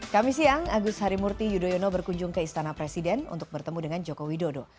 kami siang agus harimurti yudhoyono berkunjung ke istana presiden untuk bertemu dengan joko widodo